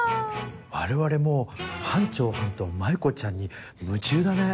我々もう班長はんと舞子ちゃんに夢中だね。